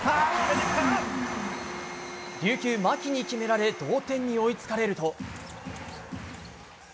琉球、牧に決められ同点に追いつかれると。